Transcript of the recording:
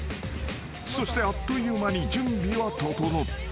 ［そしてあっという間に準備は整った］